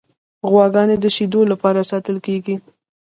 غواګانې د شیدو لپاره ساتل کیږي.